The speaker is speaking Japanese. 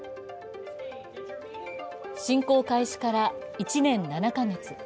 侵攻開始から１年７か月。